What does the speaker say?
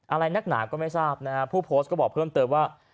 อะไรนักหนาก็ไม่ทราบนะฮะผู้โพสต์ก็บอกเพิ่มเติมว่า